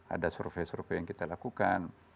ada survei survei yang kita lakukan